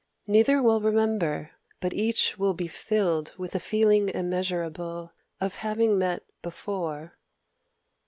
Neither will remember; but each will be filled with a feeling immeasurable of having met before...."